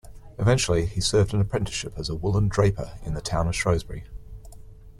Eventually, he served an apprenticeship as a woollen draper in the town of Shrewsbury.